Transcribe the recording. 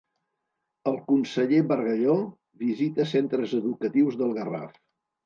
El conseller Bargalló visita centres educatius del Garraf.